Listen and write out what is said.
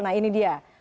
nah ini dia